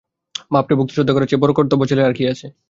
বাপকে ভক্তিশ্রদ্ধা করার চেয়ে বড় কর্তব্য ছেলের আর কী আছে?